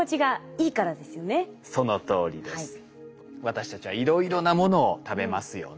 私たちはいろいろなものを食べますよね。